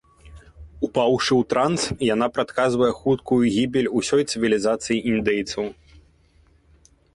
Упаўшы ў транс, яна прадказвае хуткую гібель усёй цывілізацыі індзейцаў.